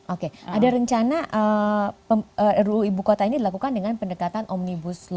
oke ada rencana ruu ibu kota ini dilakukan dengan pendekatan omnibus law